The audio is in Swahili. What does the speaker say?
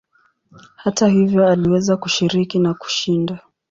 Hata hivyo aliweza kushiriki na kushinda.